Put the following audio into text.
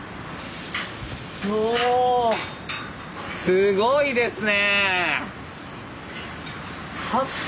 すごいですね。